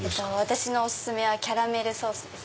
私のお薦めはキャラメルソースです。